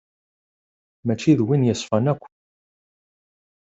Mačči d win yeṣfan akk.